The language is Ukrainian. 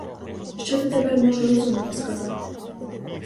Що ти тепер можеш розумного сказати?